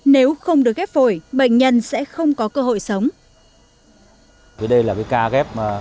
nếu không được ghép phổi bệnh nhân sẽ không có cơ hội sống